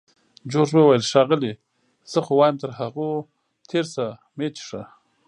جورج وویل: ښاغلې! زه خو وایم تر هغوی تېر شه، مه یې څښه.